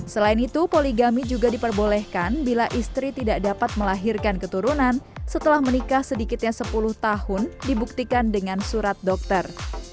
selain itu poligami juga diperbolehkan bila istri tidak dapat melahirkan keturunan setelah menikah sedikitnya sepuluh tahun dibuktikan dengan surat dokter